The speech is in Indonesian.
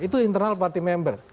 itu internal party member